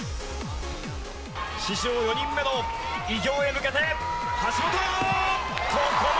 史上４人目の偉業へ向けて、橋本！